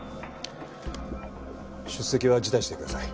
出席は辞退してください。